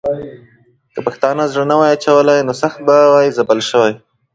که پښتانه زړه نه وای اچولی، نو سخت به وای ځپل سوي.